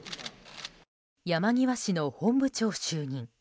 山際氏の本部長就任。